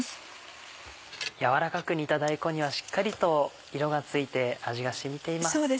軟らかく煮た大根にはしっかりと色がついて味が染みています。